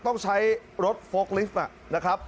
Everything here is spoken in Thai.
ต้องใช้รถโฟล์กลิฟต์นะครับ